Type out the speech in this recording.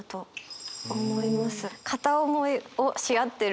片思いをし合ってる。